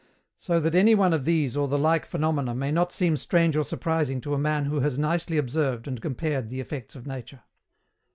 So that any one of these or the like phenomena may not seem strange or surprising to a man who has nicely observed and compared the effects of nature.